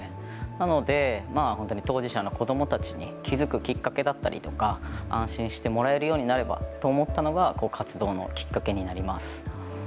なので、当事者の子どもたちに気付くきっかけだったりとか安心してもらえるようになればと思ったのが活動のきっかけになります。